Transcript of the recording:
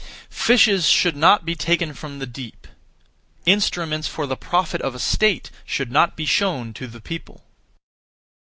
Fishes should not be taken from the deep; instruments for the profit of a state should not be shown to the people.